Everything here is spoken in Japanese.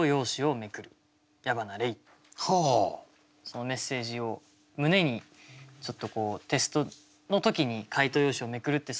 そのメッセージを胸にちょっとテストの時に解答用紙を捲るって